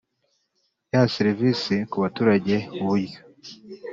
ya serivisi ku baturage uburyo